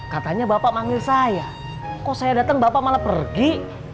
katanya bapak manggil saya kok saya datang bapak malah pergi